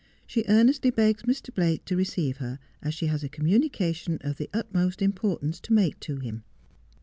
She earnestly begs Mr. Blake to receive her, as she has a communi cation of the utmost importance to make to him.'